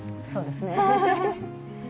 そうですね。